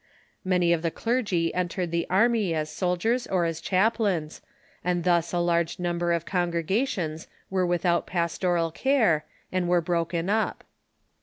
Many of the clergy entered the army as soldiers or as chaplains, and thus a large number of con gregations were without pastoral care, and were broken up.